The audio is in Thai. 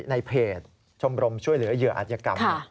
ในเพจชมรมช่วยเหลือเหยื่ออาจยกรรม